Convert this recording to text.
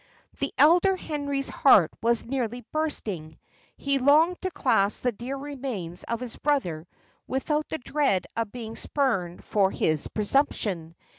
The elder Henry's heart was nearly bursting; he longed to clasp the dear remains of his brother without the dread of being spurned for his presumption.